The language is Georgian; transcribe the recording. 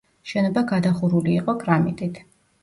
შენობა გადახურული იყო კრამიტით.